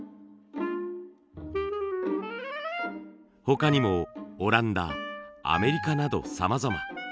他にもオランダアメリカなどさまざま。